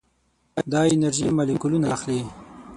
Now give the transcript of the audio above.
دا انرژي مالیکولونه اخلي.